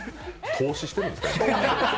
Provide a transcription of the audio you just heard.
透視してるんですか？